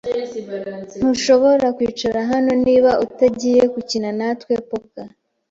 Ntushobora kwicara hano niba utagiye gukina natwe poker.